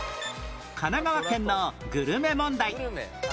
神奈川県のグルメ問題